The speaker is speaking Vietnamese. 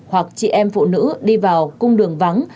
hoặc chị em phụ nữ đi vào cung đường vắng